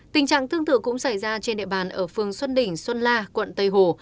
tình trạng tương tự cũng xảy ra trên địa bàn ở phương xuân đình xuân la quận tây hồ